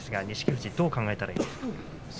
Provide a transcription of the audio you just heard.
富士はどう考えたらいいですか。